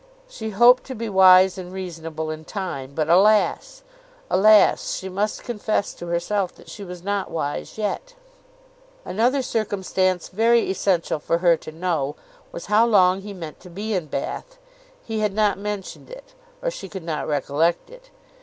She hoped to be wise and reasonable in time; but alas! alas! she must confess to herself that she was not wise yet. Another circumstance very essential for her to know, was how long he meant to be in Bath; he had not mentioned it, or she could not recollect it.